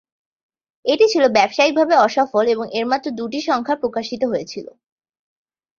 এটি ছিল ব্যবসায়িক ভাবে অসফল এবং এর মাত্র দুটি সংখ্যা প্রকাশিত হয়েছিল।